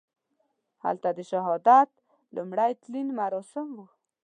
هلته د شهادت لومړي تلین مراسم وو.